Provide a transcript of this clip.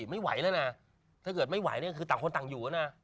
ไม่ไหวเนี่ยคือต่างคนต่างอยู่นะ